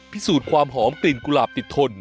พิสูจน์ความหอมกลิ่นกุหลาบติดทน